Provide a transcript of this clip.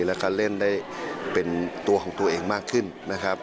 แล้วก็เล่นได้เป็นตัวของตัวเองมากขึ้นนะครับ